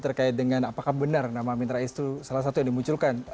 terkait dengan apakah benar nama amin rais itu salah satu yang dimunculkan